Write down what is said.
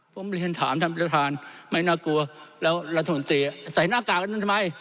ผมเรียนถามท่านประธานไม่น่ากลัวแล้วรัฐมนตรีใส่หน้ากากกันนั้นทำไม